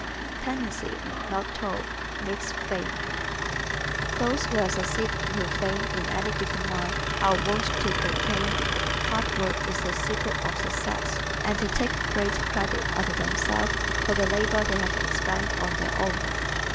Tendency, Not Toil, Makes Fame ¶ Those who have succeeded to fame in any given line are wont to proclaim, "Hard work is the secret of success," and to take great credit unto themselves for the labor they have expended on their own.